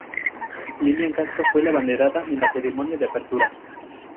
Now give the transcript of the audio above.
Lilian Castro fue la abanderada en la ceremonia de apertura.